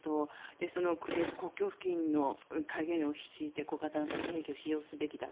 国境付近に戒厳令を敷いて小型の核兵器を使用すべきだ。